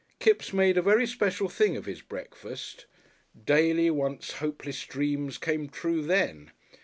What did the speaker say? Kipps made a very special thing of his breakfast. Daily once hopeless dreams came true then.